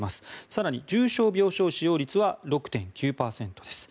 更に、重症病床使用率は６．９％です。